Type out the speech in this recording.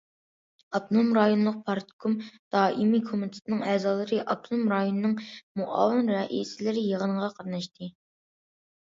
ئاپتونوم رايونلۇق پارتكوم دائىمىي كومىتېتىنىڭ ئەزالىرى، ئاپتونوم رايوننىڭ مۇئاۋىن رەئىسلىرى يىغىنغا قاتناشتى.